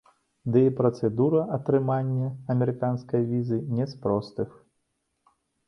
Ды і працэдура атрымання амерыканскай візы не з простых.